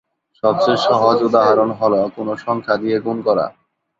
সবচেয়ে সহজ উদাহরণ হলো কোন সংখ্যা দিয়ে গুণ করা।